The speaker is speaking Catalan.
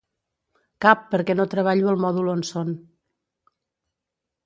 Cap perquè no treballo al mòdul on són.